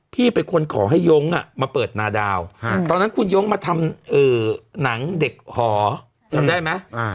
พี่เป็นคนขอให้ย้งมาเปิดนาดาวตอนนั้นคุณย้งมาทำหนังเด็กหอจำได้ไหม